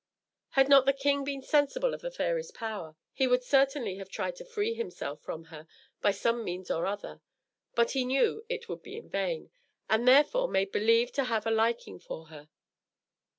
Had not the king been sensible of the fairy's power, he would certainly have tried to free himself from her by some means or other; but he knew it would be in vain, and therefore made believe to have a liking for her.